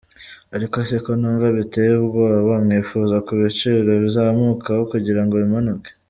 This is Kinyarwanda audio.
Ariko se ko nunva biteye ubwoba!mwifuza ko ibiciro bizamuka aho kugirango bimanuke.